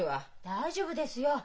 大丈夫ですよ。